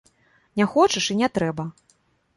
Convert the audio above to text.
Не хочаш, і не трэба!